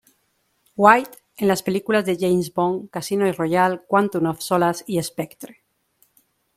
White en las películas de James Bond: "Casino Royale", "Quantum of Solace" y "Spectre".